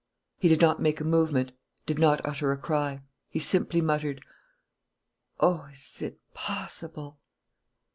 He did not make a movement, did not utter a cry. He simply muttered: "Oh, is it possible!